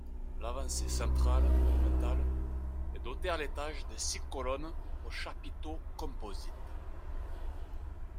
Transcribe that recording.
L'avancée centrale, monumentale, est dotée à l'étage de six colonnes aux chapiteaux composites.